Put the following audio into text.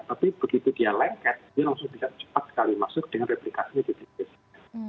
tapi begitu dia lengket dia langsung bisa cepat sekali masuk dengan replikasinya lebih efisien